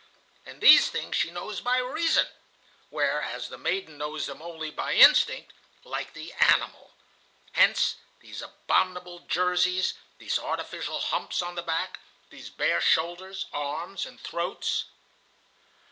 "And these things she knows by reason, where as the maiden knows them only by instinct, like the animal. Hence these abominable jerseys, these artificial humps on the back, these bare shoulders, arms, and throats.